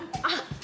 あっ。